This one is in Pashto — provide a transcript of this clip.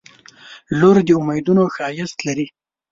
• لور د امیدونو ښایست لري.